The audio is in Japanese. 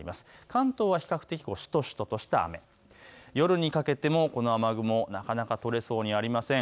関東は比較的しとしととした雨、夜にかけてもこの雨雲、なかなか取れそうにありません。